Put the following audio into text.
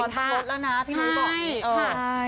พี่ปอลต้องลดแล้วนะพี่หนุ๊ยบอกอีก